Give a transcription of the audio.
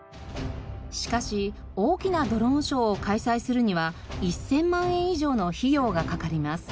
しかし大きなドローンショーを開催するには１０００万円以上の費用がかかります。